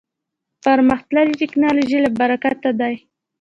پرمختللې ټکنالوژۍ له برکته دی.